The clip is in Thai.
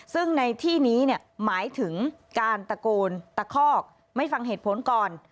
ซึ่งในที่นี้เนี่ยหมายถึงการตะโกนตะคอกไม่ฟังเหตุผลก่อน